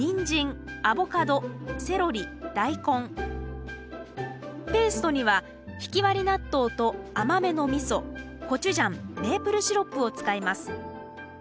具にペーストにはひきわり納豆と甘めのみそコチュジャンメープルシロップを使います。